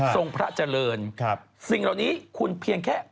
สิ่งเหล่านี้คุณเพียงแค่